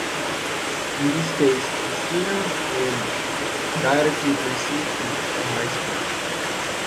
In this case, the student will directly proceed to High School.